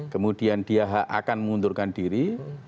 kemudian dia akan mengundurkan diri